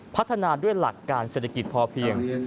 พัฒนาด้วยหลักการเศรษฐกิจพอเพียง